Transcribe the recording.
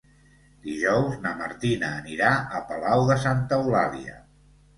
Dijous na Martina anirà a Palau de Santa Eulàlia.